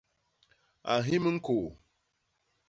A nhim ñkôô.